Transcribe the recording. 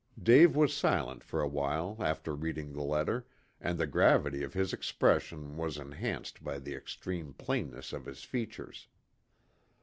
Dave was silent for a while after reading the letter, and the gravity of his expression was enhanced by the extreme plainness of his features.